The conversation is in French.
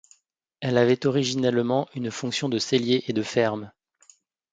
Elle avait originellement une fonction de cellier et de ferme.